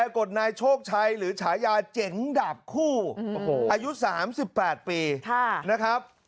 กดนายโชคชัยหรือฉายาเจ๋งดาบคู่อายุสามสิบแปดปีค่ะนะครับ